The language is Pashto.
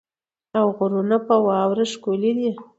او غرونه په واوره ښکلې دي.